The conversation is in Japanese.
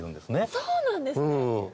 そうなんですね。